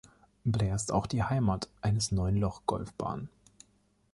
Blair ist auch die Heimat eines Neun-Loch-Golfbahn.